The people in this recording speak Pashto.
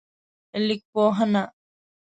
لیکپوهنه